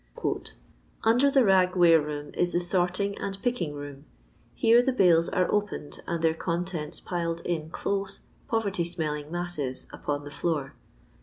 " Under the rag ware room is the sorting and picking room. Here the bales are opened, and their contents piled in close, poverty smelling masses, upon the floor.